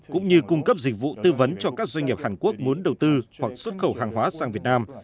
cũng như cung cấp dịch vụ tư vấn cho các doanh nghiệp hàn quốc muốn đầu tư hoặc xuất khẩu hàng hóa sang việt nam